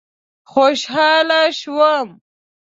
خوشحال شوم.